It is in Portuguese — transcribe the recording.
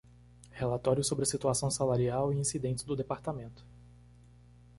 Relatório sobre a situação salarial e incidentes do Departamento.